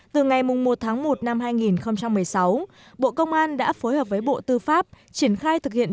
từ ngày một tháng một năm hai nghìn một mươi sáu bộ công an đã phối hợp với bộ tư pháp triển khai thực hiện